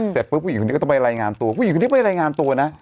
เสร็จปุ๊บผู้หญิงคนนี้ก็ต้องไปรายงานตัวผู้หญิงคนนี้ไปรายงานตัวนะ